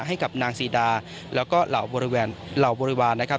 ให้กับนางสีดาแล้วก็เหล่าบริวารนะครับ